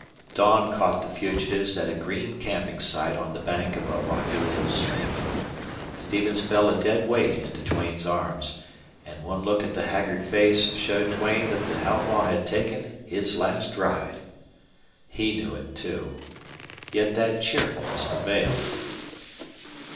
Dawn caught the fugitives at a green camping site on the bank of a rocky little stream. Stevens fell a dead weight into Duane's arms, and one look at the haggard face showed Duane that the outlaw had taken his last ride. He knew it, too. Yet that cheerfulness prevailed.